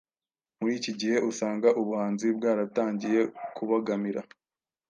Muri iki gihe usanga ubuhanzi bwaratangiye kubogamira